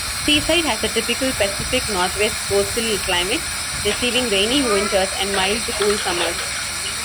Seaside has a typical Pacific Northwest coastal climate, receiving rainy winters and mild-to-cool summers.